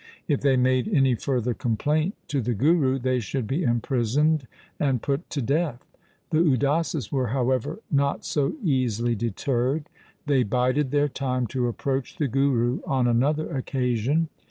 If they made any further complaint to the Guru, they should be imprisoned and put to death. The Udasis were, however, not so easily deterred. They bided their time to approach the Guru on another occasion.